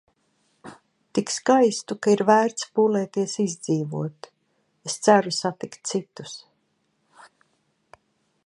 Tik skaistu, ka ir vērts pūlēties izdzīvot. Es ceru satikt citus.